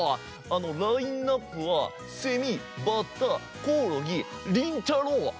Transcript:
ラインナップはセミバッタコオロギりんたろー。